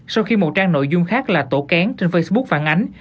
sau khi một trang nội dung khác là tổ kén trên facebook phản ánh